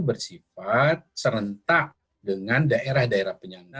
bersifat serentak dengan daerah daerah penyangga